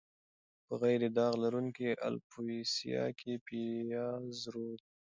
په غیر داغ لرونکې الوپیسیا کې پیاز روغ وي.